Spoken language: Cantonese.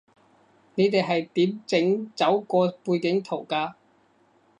你哋係點整走個背景圖㗎